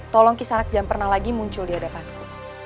tolong kaki sanak jangan pernah lagi muncul di hadapanku